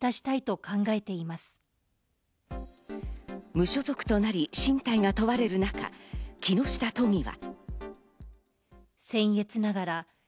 無所属となり進退が問われる中、木下都議は。